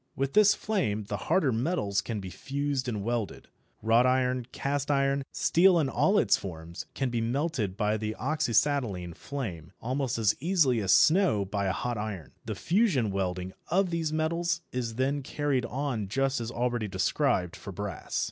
With this flame the harder metals can be fused and welded. Wrought iron, cast iron, steel in all its forms, all can be melted by the oxyacetylene flame, almost as easily as snow by a hot iron. The fusion welding of these metals is then carried on just as already described for brass.